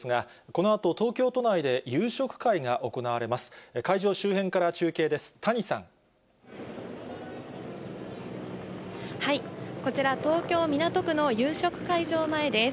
こちら、東京・港区の夕食会場前です。